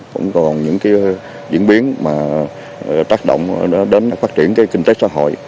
cũng còn những diễn biến tác động đến phát triển kinh tế xã hội